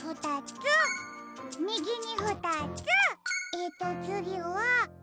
えっとつぎは。